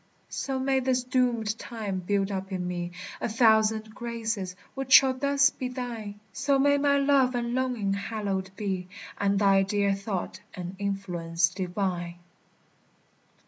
So may this doomèd time build up in me A thousand graces, which shall thus be thine; So may my love and longing hallowed be, And thy dear thought an influence divine.